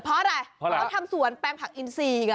เพราะอะไรทำสวนแป้งผักอินซีกัน